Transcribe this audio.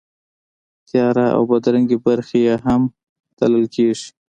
تیاره او بدرنګې برخې یې هم تلل کېږي.